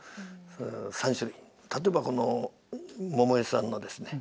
例えばこの百恵さんのですね